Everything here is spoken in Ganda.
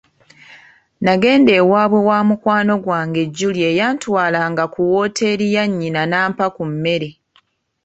Nagenda ewaabwe wa mukwano gwange Julie eyantwalanga ku wooteeri ya nnyina n'ampa ku mmere.